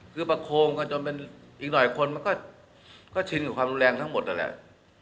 คือประโคมกันจนมันอีกหน่อยคนมันก็ชินกับความรุนแรงทั้งหมดนั่นแหละ